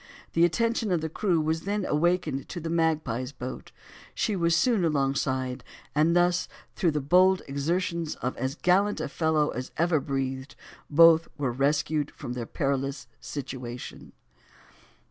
The attention of the crew was then awakened to the Magpie's boat; she was soon alongside, and thus through the bold exertions of as gallant a fellow as ever breathed, both were rescued from their perilous situation.